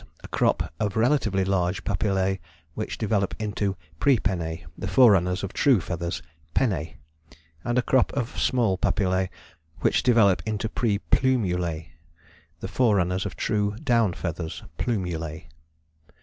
a crop of relatively large papillae which develop into prepennae, the forerunners of true feathers (pennae), and a crop of small papillae which develop into preplumulae, the forerunners of true down feathers (plumulae).